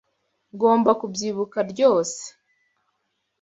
Ngomba kubyibuka ryose